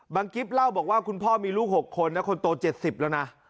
กิ๊บเล่าบอกว่าคุณพ่อมีลูก๖คนนะคนโต๗๐แล้วนะ